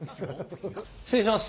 失礼します。